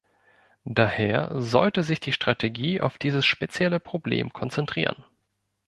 Daher sollte sich die Strategie auf dieses spezielle Problem konzentrieren.